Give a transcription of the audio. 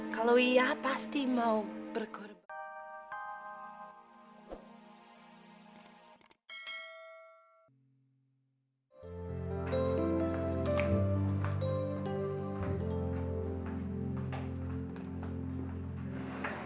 kalau iya pasti mau berkorban